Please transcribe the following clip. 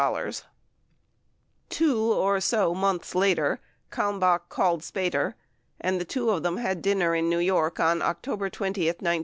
7 Two or so months later Kalmbach called Spater, and the two of them had dinner in New York on October 20, 1971.